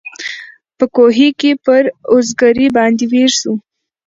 په کوهي کي پر اوزګړي باندي ویر سو